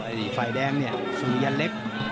ไอบิฟวาแดงสุยันเล็ก